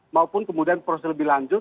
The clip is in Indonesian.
maupun kemudian proses lebih lanjut